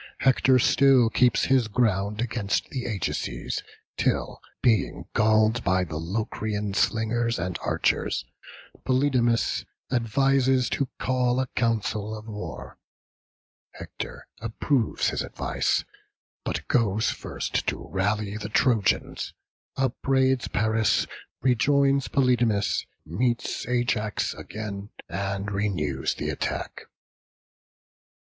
Hector still keeps his ground against the Ajaces, till, being galled by the Locrian slingers and archers, Polydamas advises to call a council of war: Hector approves his advice, but goes first to rally the Trojans; upbraids Paris, rejoins Polydamas, meets Ajax again, and renews the attack.